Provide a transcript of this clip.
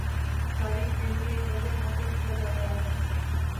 تعلیم کے لیے ایک بجٹ مختص کیا جاتا ہے